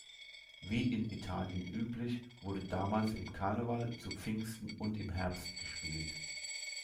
Wie in Italien üblich, wurde damals im Karneval, zu Pfingsten und im Herbst gespielt.